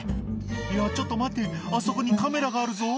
「いやちょっと待てあそこにカメラがあるぞ」